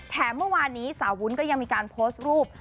เมื่อวานนี้สาววุ้นก็ยังมีการโพสต์รูป